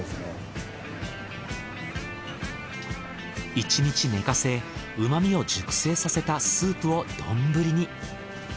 １日寝かせうま味を熟成させたスープを丼に。